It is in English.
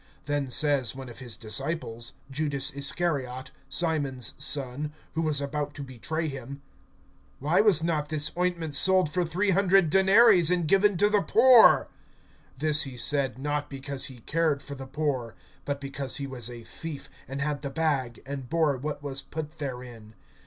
(4)Then says one of his disciples, Judas Iscariot, Simon's son, who was about to betray him: (5)Why was not this ointment sold for three hundred denaries[12:5], and given to the poor? (6)This he said, not because he cared for the poor; but because he was a thief, and had the bag, and bore[12:6] what was put therein.